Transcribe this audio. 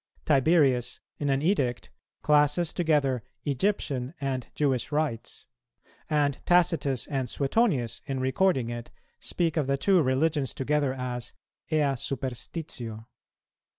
Tiberius, in an edict, classes together "Egyptian and Jewish rites;" and Tacitus and Suetonius, in recording it, speak of the two religions together as "ea superstitio."